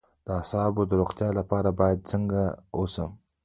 د اعصابو د روغتیا لپاره باید څنګه اوسم؟